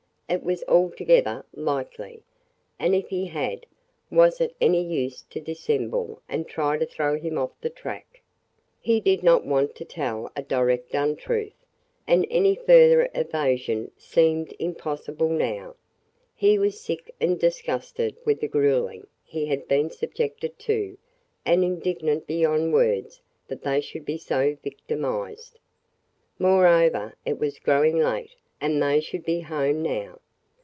It was altogether likely. And if he had, was it any use to dissemble and try to throw him off the track? He did not want to tell a direct untruth, and any further evasion seemed impossible now. He was sick and disgusted with the grueling he had been subjected to and indignant beyond words that they should be so victimized. Moreover, it was growing late and they should be home now.